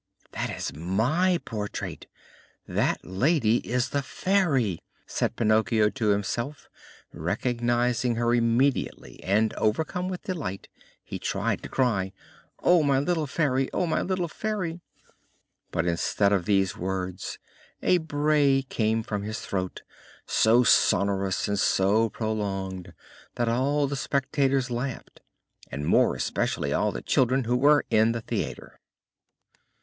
"That is my portrait! That lady is the Fairy!" said Pinocchio to himself, recognizing her immediately; and, overcome with delight, he tried to cry: "Oh, my little Fairy! Oh, my little Fairy!" But instead of these words a bray came from his throat, so sonorous and so prolonged that all the spectators laughed, and more especially all the children who were in the theater.